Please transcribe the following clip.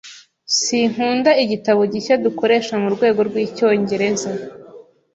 Sinkunda igitabo gishya dukoresha murwego rwicyongereza.